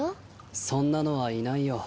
そんなのはいないよ。